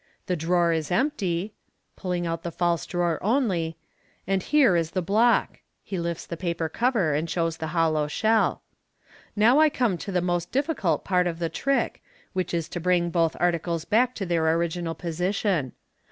The drawer is empty" (pulling out the false drawer only), "and here is the block " (he lifts the paper cover, and shows the hollow shell). " Now I come to the most difficult part of the trick, which is to bring both articles back to their original position.